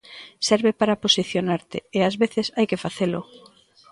Serve para posicionarte e ás veces hai que facelo.